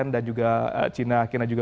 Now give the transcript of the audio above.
dan juga china kinerja juga